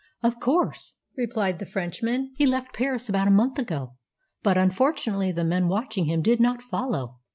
"Of course," replied the Frenchman. "He left Paris about a month ago, but unfortunately the men watching him did not follow.